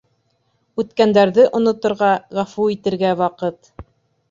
Үткәндәрҙе оноторға, ғәфү итергә ваҡыт.